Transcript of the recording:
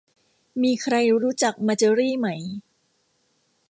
มีใครรู้จักมาเจอรี่ไหม